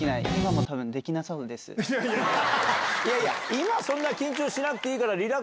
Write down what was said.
今そんな緊張しなくていいから。